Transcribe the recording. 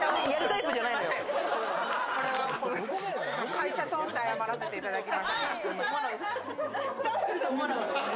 会社通して謝らせていただきます。